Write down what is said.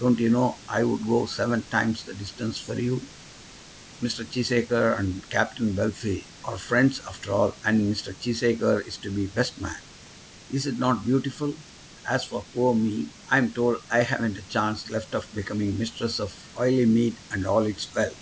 Don't you know I would go seven times the distance for you? Mr. Cheesacre and Captain Bellfield are friends after all, and Mr. Cheesacre is to be best man. Is it not beautiful? As for poor me, I'm told I haven't a chance left of becoming mistress of Oileymead and all its wealth."